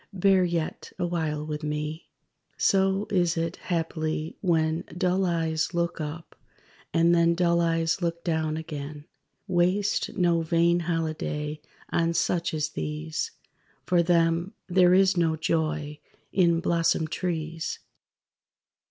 Bear yet awhile with me._) So is it, haply, when Dull eyes look up, and then Dull eyes look down again. Waste no vain holiday on such as these; For them there is no joy in blossomed trees.